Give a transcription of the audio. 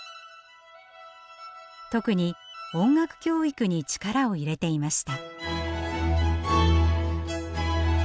特に音楽教育に力を入れていました。